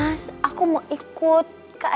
mas aku mau ikut ke acara makan malam